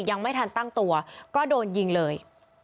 ยังไม่ทันตั้งตัวก็โดนยิงเลย